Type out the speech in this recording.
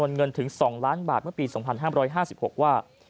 เงินถึง๒ล้านบาทเมื่อปี๒๕๕๖ว่า